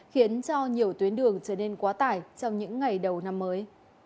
khiến cho nhiều tuyến đường trở nên quá tải trong những ngày đầu năm mới